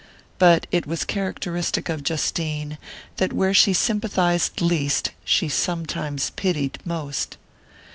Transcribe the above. But it was characteristic of Justine that where she sympathized least she sometimes pitied most.